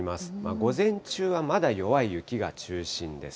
午前中はまだ弱い雪が中心です。